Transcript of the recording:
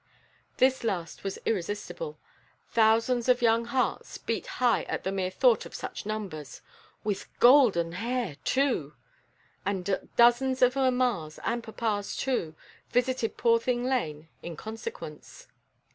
This last was irresistible. Thousands of young hearts beat high at the mere thought of such numbers "with golden hair too!" and dozens of mammas, and papas too, visited Poorthing Lane in consequence.